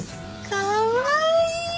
かわいい！